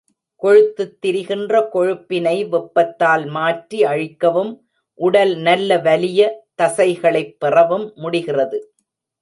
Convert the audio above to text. கொழுத்துத் திரிகின்ற கொழுப்பினை வெப்பத்தால் மாற்றி அழிக்கவும் உடல் நல்ல வலிய தசைகளைப் பெறவும் முடிகிறது.